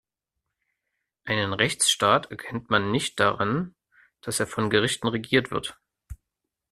Einen Rechtsstaat erkennt man nicht daran, dass er von Gerichten regiert wird.